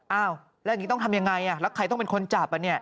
แล้วอย่างนี้ต้องทำอย่างไรแล้วใครต้องเป็นคนจับ